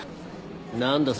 何だ？